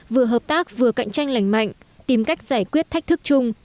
vừa hợp tác vừa cạnh tranh lành mạnh tìm cách giải quyết thách thức chung